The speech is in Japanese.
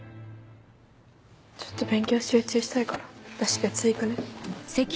ちょっと勉強集中したいから私別行くね。